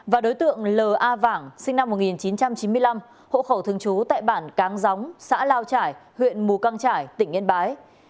và đối tượng l a vàng sinh năm một nghìn chín trăm chín mươi năm hộ khẩu thường trú tại bản cáng gióng xã lao trải huyện mù căng trải tỉnh yên bái